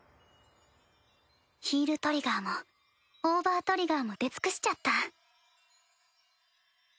ヒールトリガーもオーバートリガーも出尽くしちゃった。